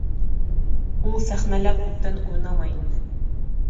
Ул сәхнәлә күптән уйнамай инде